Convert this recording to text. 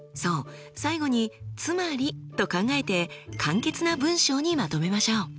最後に「つまり」と考えて簡潔な文章にまとめましょう。